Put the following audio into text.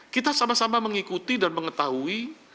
kita sama sama mengikuti dan mengetahui